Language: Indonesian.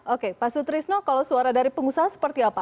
oke pak sutrisno kalau suara dari pengusaha seperti apa